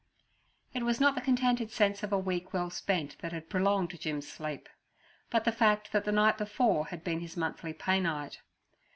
It was not the contented sense of a week well spent that had prolonged Jim's sleep, but the fact that the night before had been his monthly pay night.